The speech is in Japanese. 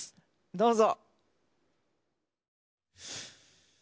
どうぞ。